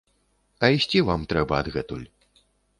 А ісці вам трэба адгэтуль.